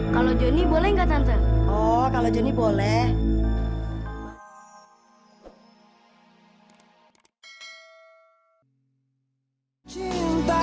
kalau jonny boleh gak tante